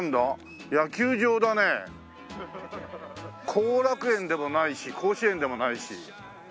後楽園でもないし甲子園でもないし。